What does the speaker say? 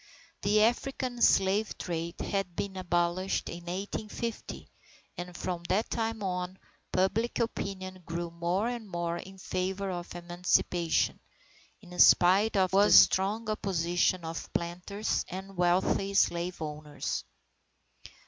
The African slave trade had been abolished in 1850 and from that time on public opinion grew more and more in favour of Emancipation, in spite of the strong opposition of planters and wealthy slave owners.